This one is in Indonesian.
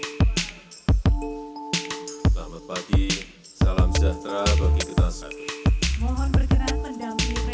selamat pagi salam sejahtera bagi kita semua